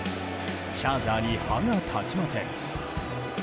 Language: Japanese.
シャーザーに歯が立ちません。